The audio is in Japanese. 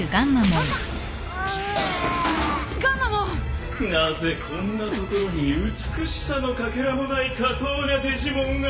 なぜこんなところに美しさのかけらもない下等なデジモンが？